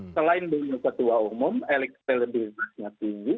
selain beliau ketua umum elektriks telebizastnya tinggi